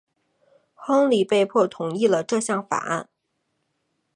亨利被迫同意了这项法案。